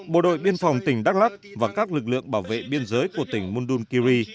bộ đội biên phòng tỉnh đắk lắc và các lực lượng bảo vệ biên giới của tỉnh mundunkiri